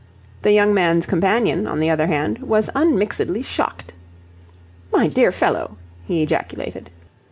The young man's companion, on the other hand, was unmixedly shocked. "My dear fellow!" he ejaculated.